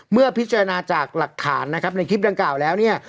เมื่อพิจารณาจากหลักฐานนะครับในคลิปดังกล่าวแล้วเนี่ย